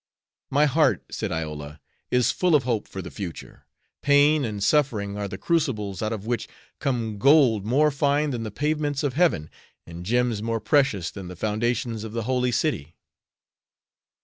"My heart," said Iola, "is full of hope for the future. Pain and suffering are the crucibles out of which come gold more fine than the pavements of heaven, and gems more precious than the foundations of the Holy City."